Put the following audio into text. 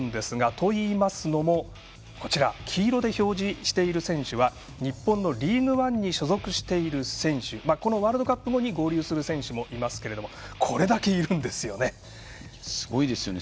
といいますのも、こちらに黄色で表示している選手は日本のリーグワンに所属している選手このワールドカップ後に合流する選手もいますがすごいですよね。